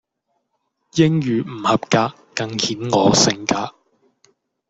英語唔合格更顯我性格